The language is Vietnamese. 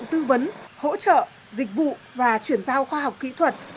các khó khăn thực hiện hiệu quả các hoạt động tư vấn hỗ trợ dịch vụ và chuyển giao khoa học kỹ thuật